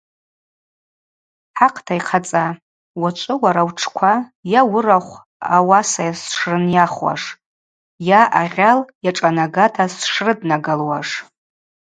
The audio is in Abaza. Хӏакъта йхъацӏа: уачӏвы уара утшква йа уырахв ауаса сшрынйахуаш йа агъьал йашӏанагата сшрыднагалуаш.